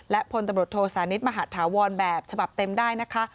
และพลตำรวจโทสานิทมหาธาวรแบบฉบับเต็มได้นะคะ